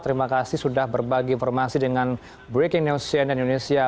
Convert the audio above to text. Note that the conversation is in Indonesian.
terima kasih sudah berbagi informasi dengan breaking news cnn indonesia